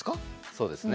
そうですね。